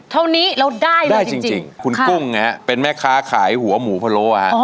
เท่านี้แล้วได้แล้วจริงคุณกุ้งไงเป็นแม่ค้าขายหัวหมูพะโลวะฮะ